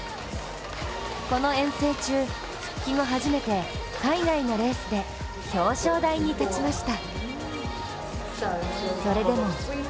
この遠征中、復帰後初めて海外のレースで表彰台に立ちました。